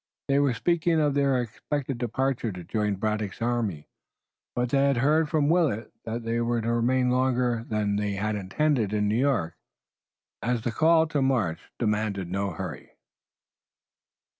They were speaking of their expected departure to join Braddock's army, but they had heard from Willet that they were to remain longer than they had intended in New York, as the call to march demanded no hurry.